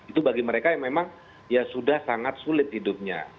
itu bagi mereka yang memang ya sudah sangat sulit hidupnya